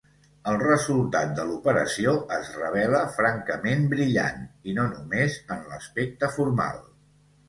El resultat de l'operació es revela francament brillant, i no només en l'aspecte formal.